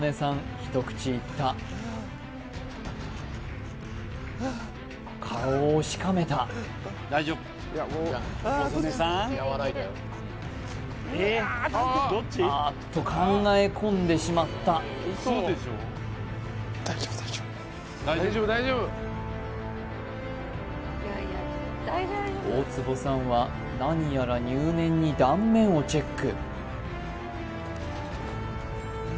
一口いった顔をしかめたあーっと考え込んでしまった大坪さんは何やら入念に断面をチェック